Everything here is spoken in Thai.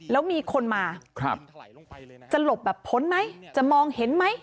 แล้วมีคนมาจะหลบแบบพ้นไหมจะมองเห็นไหม